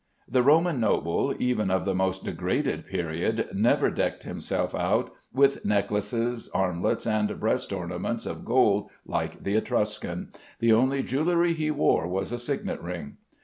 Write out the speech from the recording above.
The Roman noble, even of the most degraded period, never decked himself out with necklaces, armlets, and breast ornaments of gold like the Etruscan. The only jewelry he wore was a signet ring.